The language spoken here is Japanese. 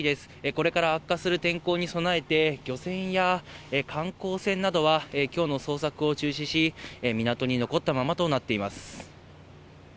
これから悪化する天候に備えて、漁船や観光船などはきょうの捜索を中止し、港に残ったままとなっています。